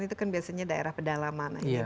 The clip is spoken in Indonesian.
itu kan biasanya daerah pedalaman